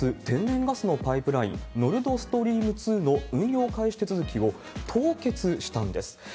天然ガスのパイプライン、ノルドストリーム２の運用開始手続きを凍結したんです。